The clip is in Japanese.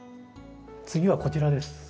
次はこちらです。